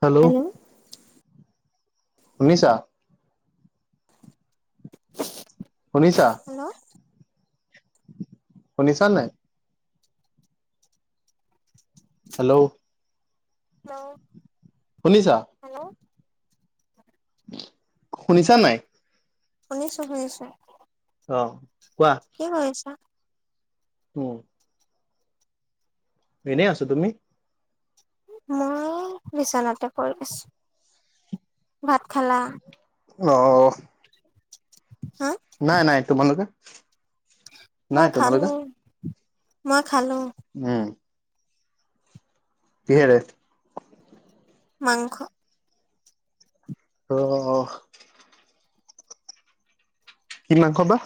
Hello শুনিছা [unintelligible] [unintelligible] শুনিছা? Hello শুনিছা নাই? হেল্ল' হেল্ল' শুনিছা? [inaudible] শুনিছা নাই? শুনিছোঁ শুনিছোঁ। অ কোৱা কি কৰিছা? উম এনে আছো। তুমি? মই বিচনাতে পৰি গৈছ- ভাত খালা। অ হা নাই নাই। তোমালোকে? নাই মই তোমালোকে খালো মই খালো। উম কিহেৰে মাংস অহ কি মাংস বা?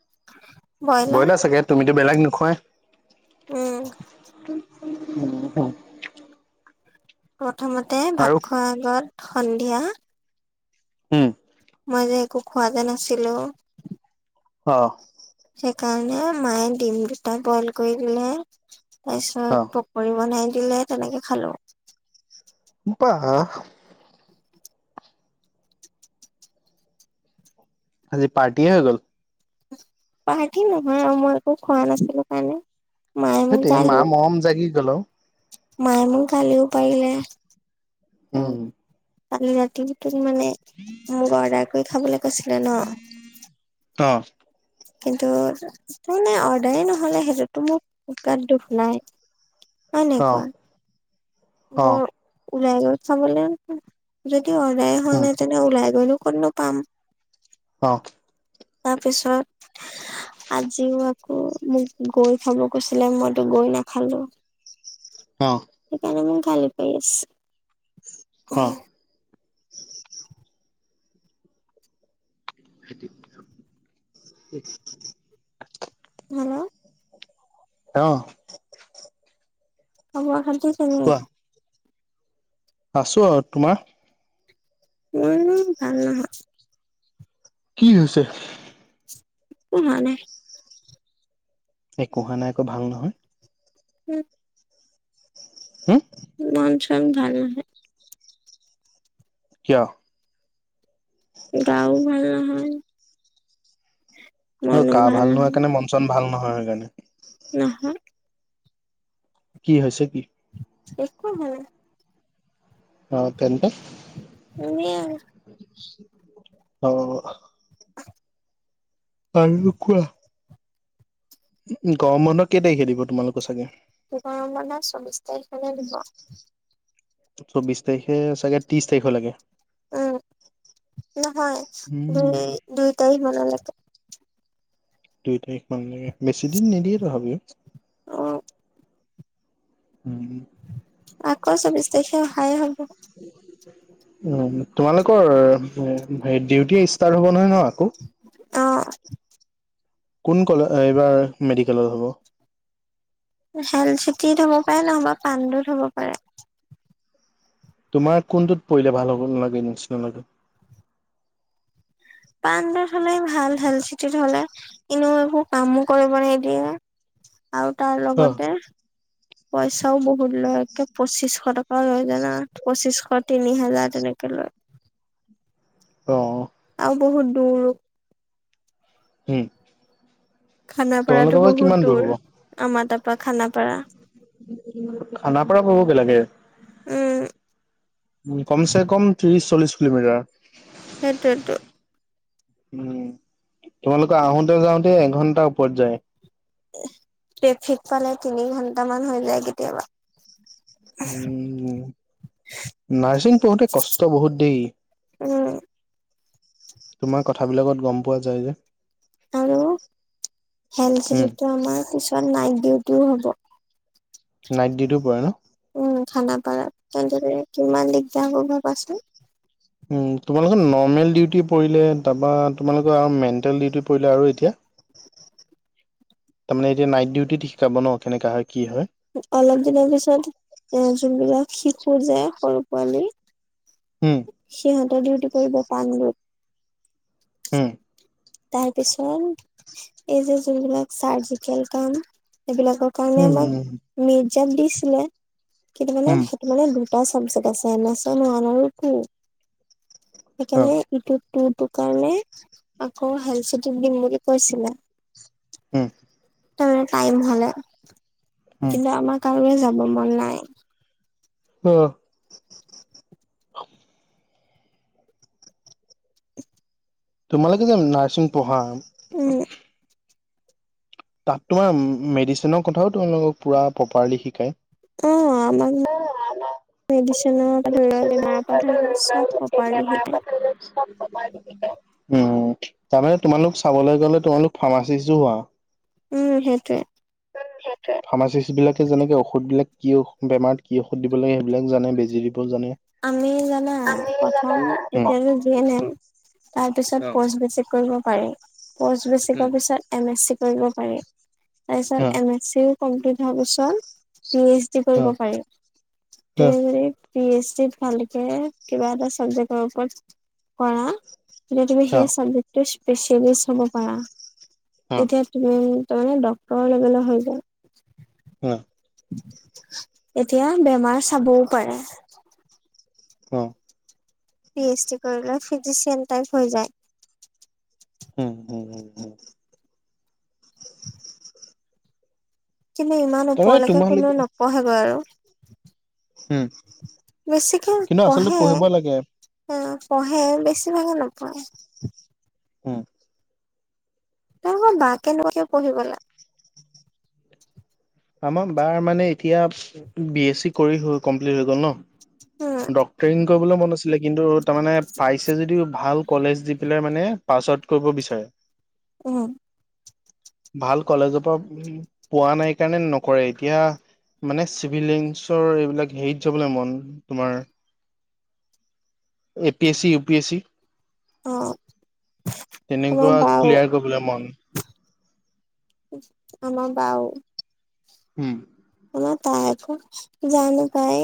[inaudible] ব্ৰইলাৰ চাগে তুমিতো বেলেগ নোখোৱাই। উম [unintelligible] প্ৰথমতে আৰু ভাত খোৱাৰ আগত সন্ধিয়া হম মই যে একো খোৱা যে নাছিলোঁ। অ সেইকাৰণে মায়ে ডিম দুটা বইল কৰি দিলে। তাৰ অ পিছত পকৰি বনাই দিলে তেনেকে খালো। বা আজি পাৰ্টি এ হৈ গ'ল। পাৰ্টি নহয় আৰু মই একো খোৱা নাছিলো কাৰণে। মায়ে মোক সেইটো মা মম জাগি গ'ল আও। মাই মোক গালিও পাৰিলে উম কালি ৰাতি মোক মানে মোক অৰ্ডাৰ কৰি খাবলৈ কৈছিলে ন। অ কিন্তু তানে অৰ্ডাৰেই নহলে সেইটোতো মোৰ গাত দুখ নাই। অ এনেকুৱা অ বৰ ওলাই গল খাবলৈ যদি অৰ্ডাৰে হোৱা উম নাই তেনে ওলাই গ'লো। ক'ত নো পাম। অ তাৰ পিছত আজিও আকৌ মোক গৈ খাব কৈছিলে মইতো গৈ নাখালো অ সেইকাৰণে মই গালি পাৰিছ- অ [unintelligible] হেল্ল' অ খবৰ খাতি কেনে কোৱা আছো। তোমাৰ? উম ভাল নহয় কি হৈছে একো হোৱা নাই। একো হোৱা নাই আকৌ ভাল নহয়। উম। হে মন চন ভাল হয়। কিয়? গাও ভাল নহয়। গা ভাল নোহোৱা কাৰণে মন চন ভাল নহয় সেইকাৰণে নহা কি হৈছে কি? একো হোৱা নাই। আ তেন্তে এনেই আৰু। অ আৰু কোৱা? উ গৰম বন্ধৰ কেই তাৰিখে দিব তোমালোকৰ চাগে। গৰম বন্ধ চৌবিশ তাৰিখলৈ দিব। চৌবিশ তাৰিখে চাগে ত্ৰিশ তাৰিখ লাগে। উম নহয় উম দুই দুই তাৰিখ মানলৈকে। দুই তাৰিখ মান লাগে বেছিদিন নিদিয়ে তথাপিও উম হম। আকৌ চৌবিশ তাৰিখে অহাই হব। [unintelligible] উ তোমালোকৰ ডিউটি ষ্টাৰ্ট হ'ব নহয় ন আকৌ। অ কোন কলে এইবাৰ মেডিকেলত হ'ব। হেল চিটিত হব পাৰে নহবা পাণ্ডোত হব পাৰে তোমাৰ কোনটোত পৰিলে ভাল হ'ব নালাগে নিচিনা লাগে পাণ্ডত হলেই ভাল হেল চিটিত হ'লে এনেও একো কামো কৰিব নিদিয়ে। [unintelligible] আৰু তাৰ অ লগতে পইচাও বহুত লয়ে পঁচিশ টকাও লয় জানা। আ পঁচিশশ তিনি হাজাৰ তেনেকে লয় অ আৰু বহুত দূৰ হম খানাপাৰাতো বহুত দূৰ হ'ব আমাৰ তাপা খানাপাৰা খানাৰপাৰা পাবগে লাগে। উম উ কমছে কম ত্ৰিশ চল্লিশ কিলোমিটাৰ। সেইটোয়েতো উম তোমালোকৰ আহোতে যাওঁতে এঘন্টাৰ ওপৰত যায় ট্ৰেফিক পালে তিনি ঘন্টামান হৈ যায় কেতিয়াবা। উম নাৰ্ছিং পঢ়োতে কষ্ট বহুত দেই উম তোমাৰ কথাবিলাকত গম পোৱা যায় যে। আৰু হেল উম চিতিতটো আমাৰ পিছত নাইট ডিউটিও হ'ব। নাইট ডিউটিও পৰে ন। উম খানাপাৰাত তেন্তে কিমান দিগদাৰ ভাবাচোন। তোমালোকৰ নৰ্মেল ডিউটি পৰিলে তাৰপা তোমালোকৰ মেণ্টেল ডিউটি পৰিলে আৰু এতিয়া [unintelligible] তাৰমানে এতিয়া নাইট ডিউটিত শিকাব ন কেনেকা হয়? কি হয় অলপ দিনৰ পিছত এ যোনবিলাক শিশু যে সৰু পোৱালি উম [inaudible] সিহঁতৰ ডিউটি কৰিব পাণলত [unintelligible] হুম তাৰ পিছত এই যে যোনবিলাক চাৰ্জিকেল কাম সেইবিলাকৰ কাৰণে উম আমাক উম মিৰ্জাত দিছিলে কিন্তু মানে উম সেইটো মানে দুটা চাবজেক্ট আছে এনচন ওৱান আৰু টু। অ সেইকাৰণে ইটোত টুটোৰ কাৰণে। অ হেল চট দিম বুলি কৈছিলে [unintelligible] হুম টাইম হলে, উম কিন্তু আমাক কাৰোৰে যাব মন নাই। আহ [inaudible] তোমালোকে যে নাৰ্ছিং পঢ়া - উম তাত তোমাৰ মেডিচিনৰ কথাও তোমালোকক পুৰা প্ৰপাৰলি শিকায়। অ আমাক মেডিচিনৰ পৰা ধৰি লওক বেমাৰৰ পৰা ধৰি লও চব প্ৰপাৰলি শিকায় [inaudible] উম তাৰমানে তোমালোক চাবলৈ গলে তোমালোক ফাৰ্মাচিষ্টো হোৱা [unintelligible] উম সেইটোৱেই ফাৰ্মাচিষ্টবিলাকে যেনেকে ঔষধবিলাক কি বেমাৰত কি ঔষধ দিব লাগে সেইবিলাক জানে বেজি দ আমি জানা প্ৰথম উম। এতিয়াতো জিএনেম তাৰ পিছত অ', পষ্ট বেছিক কৰিব পাৰি পষ্ট বেচিকৰ পিছত এমএছচি কৰিব পাৰি তাৰ পিছত এমএছচিও কমপ্লিট তাৰ পিছত পিএইচডি কৰিব পাৰি তুমি যদি পিএইচডি ভালকে কিবা এটা চাব্জেক্টৰ ওপৰত কৰা তেতিয়া তুমি সেই চাবজেক্ট স্পেচিয়েল হব পাৰা তেতিয়া তুমি তাৰ মানে ডক্টৰৰ লেভেলৰ হৈ যায়। উম। এতিয়া বেমাৰ চাবও পাৰে। অ। পিএইচডি কৰিলে ফিজিচিয়ান টাইপ হৈ যায়। উম। কিন্তু ইমান তাৰমানে ওপৰলৈকে কোনেও তোমালোকে নপঢ়ে গৈ আৰু। হুম। বেছিকে পঢ়ে লাগে আহ। পঢ়ে বেছিভাগে নপঢ়ে। অ। অ বা কেনেকুৱাকৈ পঢ়িবলা। আমাৰ বাৰ মানে এতিয়া বিএছচি কৰি কমপ্লিট হৈ গ'ল ন। উম ডক্টৰিং কৰিবলৈ মন আছিলে কিন্তু। তাৰ মানে পাইছে যদি ভাল কলেজ দি পেলাই মানে পাছ আউ কৰিব বিচাৰে। উম। ভাল কলেজৰ পৰা পোৱা নাই কাৰণে নকৰে এতিয়া। মানে চিভিলিংছৰ এইবিলাক হেৰিত যাবলৈ মন তোমাৰ। [unintelligible] APSC, UPSC. অ আমাৰ তেনেকুৱা বাও ক্লিয়াৰ কৰিবলৈ মন। আমাৰ বাও। হুম। ম তাই আকৌ জানো পাই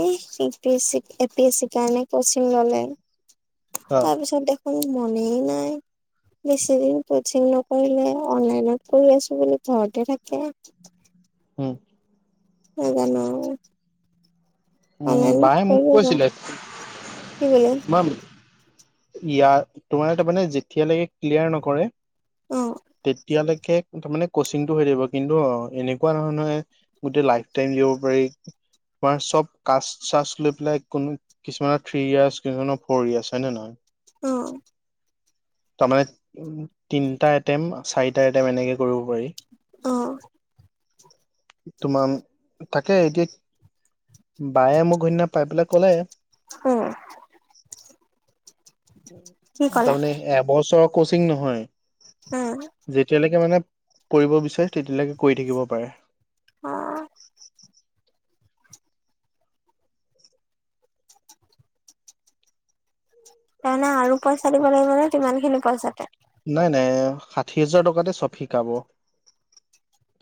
A A P S C কাৰণে কচিং ললে। অ', তাৰপিছত দেখোন মনে নাই। বেছিদিন কচিং নকৰিলে অনলাইনত কৰি আছো বুলি ঘৰতে থাকে। উম। নাজানো আও। উম, অনলাইন বায়ে মোক কৰিব কৈছিলে কি বুলি। তোমাৰ ইয়াৰ তোমাৰ তাৰ মানে যেতিয়ালৈকে ক্লিয়াৰ নকৰে অ তেতিয়ালৈকে,। তাৰে কচিংটো হৈ থাকিব কিন্তু এনেকুৱা ধৰণে গোটে লাইফ টাইম দিব পাৰি, তোমাৰ চব কাচ চাচলৈ পেলাই কোনো কিছুমানৰ থ্ৰী ইয়াৰ্চ কিছুমানৰ ফৰ ইয়াৰ্চ হয় নে নহয়। অ। তাৰমানে তিনটা এটেম চাৰিটা এটেম এনেকে কৰিব পাৰি। অ তোমাৰ। থাকে এতিয়া বায়ে মোক ঘৈণনা পাই পেলাই ক'লে। উম্। তাৰমানে এবছৰৰ কচিং নহয় উম যেতিয়ালৈকে মানে। কৰিব বিচাৰে তেতিয়ালৈকে কৰি থাকিব পাৰে। অ তাৰমানে আৰু পইচা দিব লাগিব নে কিমান খিনি পইচাতে। নাই নাই ষাঠি হাজাৰ টকাতে চফ শিকাব।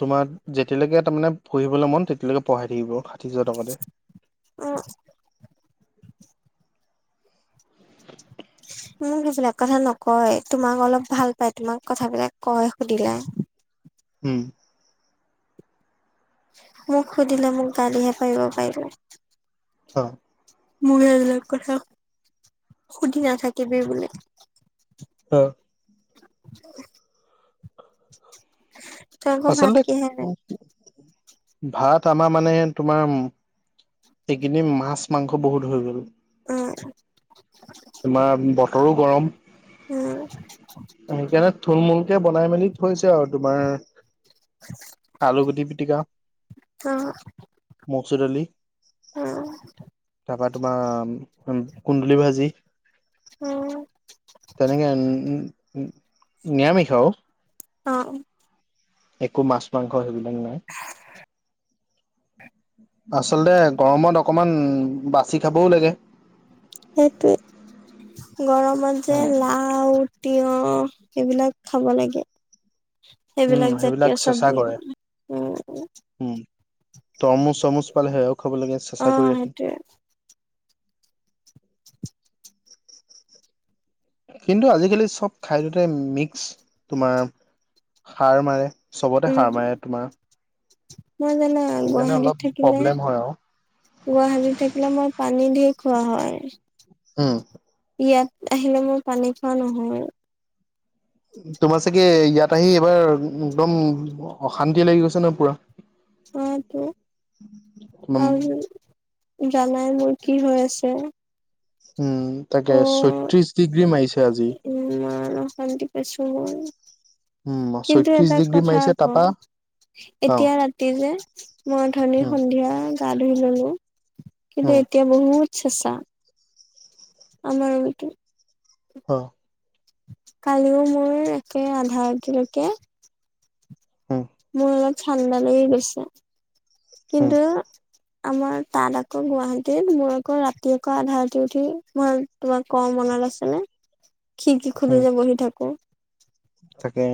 তোমাক যেতিয়ালৈকে তাৰ মানে পঢ়িবলে মন তেতিয়ালকে পঢ়াই থাকিব। ত্ৰিছশাৰ টকা দে। উম হয়। [unintelligible] মোক সেইবিলাক কথা নকয় তোমাক অলপ ভাল পায় তোমাক কথাবিলাক কয় সুধিলে,। উম্। মোক সুধিলে মোক গালিহে পাৰিব পাৰিব। হয়। মোৰ এইবিলাক কথা সুধি নাথাকিবি বোলে। অ। ক্ ক আচলতে ভাত আমাৰ মানে তোমাৰ এইখিনি মাছ মাংস বহুত হৈ গল, উম্ তোমাৰ বতৰো গৰম উম সেইকাৰণে থুল মূল এতিয়া বনাই মেলি থৈছে আৰু তোমাৰ আলু গুটি পিটিকা। মচুৰ দালি তাৰপা উম্ তোমাৰ কুন্দুলি ভাজি। উম্ তেনেকে উ নিৰামিষাও। অ একো মাছ মাংস সেইবিলাক নাই। আচলতে গৰমত অকমান বাচি খাবও লাগে, সেইটোৱে গৰমত যে লাউ, তিয়হঁ সেইবিলাক খাব লাগে। উম, সেইবিলাক জাতীয় চেষ্টা চব্জি। কৰে তৰমুচ চৰমুচ পালে সেয়াও খাব লাগে অ চেচা কৰি ৰাখে। সেইটোয়ে কিন্তু আজিকালি চব খাদ্যতে মিক্স তোমাৰ সাৰ মাৰে। চবতে উম হাৰ মাৰে তোমাৰ মই জানো সেইকাৰণে গুৱাহাটীত অলপ থাকিলে প্ৰব্লেম হয় আৰু গুৱাহাটীত থাকিলে মই পানী দি, কোৱা হয়। উম্। ইয়াত আহিলে মই পানী খোৱা নহয় আৰু তোমাৰ চাগে ইয়াত আহি এইবাৰ একদম অশান্তি লাগি গৈছে ন পুৰা অটো উম আৰু জানাই মোৰ কি হৈ আছে উম তাকে অ ছত্ৰিশ ডিগ্ৰী মাৰিছে আজি উম উমণকিন্তু ছয়ত্ৰিশ এটা ডিগ্ৰী কথা মাৰিছে আক তাৰপা অ এতিয়া ৰাতি যে মই ধনীৰ উম সন্ধিয়া গা ধুই ললো। কিন্তু উম এতিয়া বহুত চেঁচা। [unintelligible] অ কালিও মোৰ একে আধা আজিলৈকে উম মোৰ অলপ ঠাণ্ডা লাগি গৈছে উম কিন্তু আমাৰ তাত আকৌ গুৱাহাটিত মোৰ আকৌ ৰাতি আকৌ আধা ৰাতি উঠি মই তোমাক কওঁ মনত ভাল আছিলে খিৰকি খুলি লৈ বহি থাকো থাকে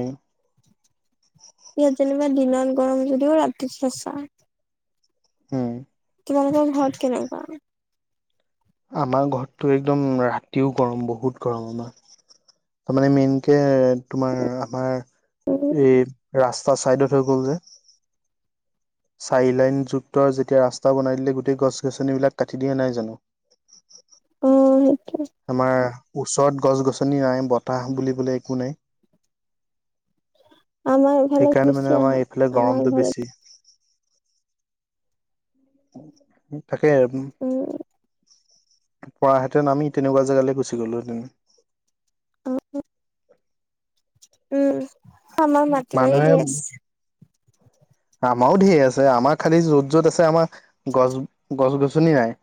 ইয়াত যেনিবা দিনত গৰম যদিও ৰাতি সেঁচা হম তোমালোকৰ ঘৰত কেনেকুৱা আমাৰ ঘৰতটো একদম ৰাতিও গৰম বহুত গৰম আমাৰ তাৰ মানে মেইনকে তোমাৰ আমাৰ এই ৰা পোৰা চাইডত হৈ গ'ল যে চাৰলাইনযুক্ত যেতিয়া ৰাস্তা বনাই দিলে গোটেই গছ গছনিবিলাক কাটি দিয়া নাই জানো অ আমাৰ ওচৰত গছ গছনি নাই বতাহ বুলিবলে একো নাই আমাৰ ঘৰলে সেইকাৰণে গুচি মানে আমাৰ আহা। এইফালে আমাৰ গৰমটো ঘৰলে বেছি থাকেই আৰু উম, পঢাহেঁতেন আমি তেনেকুৱা জেগালে গুচি গ'লো হেঁতেন উম অ', আমাৰ মাটি বাৰী ঢেৰ আছে আমাৰও ঢেৰ আছে আমাৰ খালি য'ত য'ত আছে আমাৰ গছ গছ গছনি নাই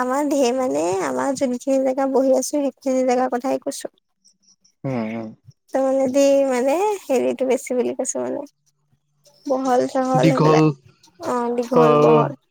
আমাৰ ধেৰ মানে আমাৰ যোনখিনি জেগা বহি আছো সেইখিনি জেগাৰ কথাই কৈছো। উম উম তাৰ মানে দি মানে হেৰিটো বেছি বুলি কৈছো মানে। বহল-চহল হই দীঘল পেলাই, অ অ দীঘল-বহল।